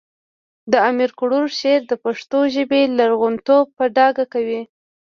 د امیر کروړ شعر د پښتو ژبې لرغونتوب په ډاګه کوي